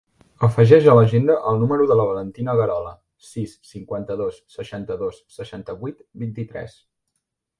Afegeix a l'agenda el número de la Valentina Guerola: sis, cinquanta-dos, seixanta-dos, seixanta-vuit, vint-i-tres.